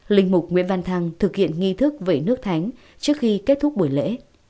linh mục nguyễn văn thăng thực hiện nghi thức vẩy nước thánh trước khi kết thúc buổi lễ